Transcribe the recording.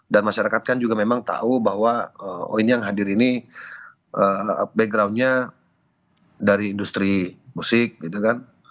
dan masyarakat kan juga memang tahu bahwa oin yang hadir ini backgroundnya dari industri musik gitu kan